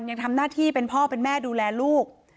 ยังทำหน้าที่เป็นพ่อเป็นแม่ดูแลลูก